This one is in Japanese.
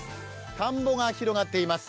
田んぼが広がっています。